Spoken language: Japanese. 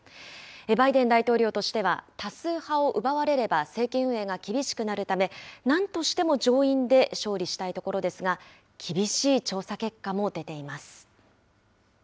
バイデン大統領としては、多数派を奪われれば政権運営が厳しくなるため、なんとしても上院で勝利したいところですが、厳しい調査結果も出ています。